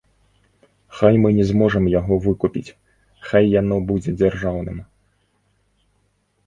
Хай мы не зможам яго выкупіць, хай яно будзе дзяржаўным.